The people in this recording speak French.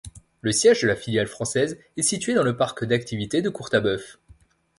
Le siège de la filiale française est situé dans le Parc d'activités de Courtabœuf.